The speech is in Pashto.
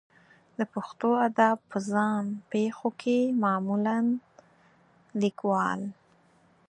د پښتو ادب په ځان پېښو کې معمولا لیکوال